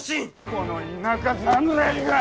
この田舎侍が！